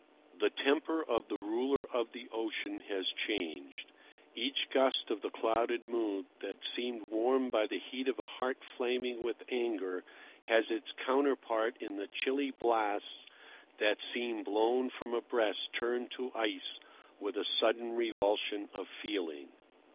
The temper of the ruler of the ocean has changed. Each gust of the clouded mood that seemed warmed by the heat of a heart flaming with anger has its counterpart in the chilly blasts that seem blown from a breast turned to ice with a sudden revulsion of feeling.